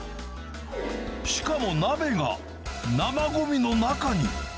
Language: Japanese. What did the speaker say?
しかも鍋が生ごみの中に。